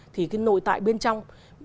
thì cái nội tại bên trong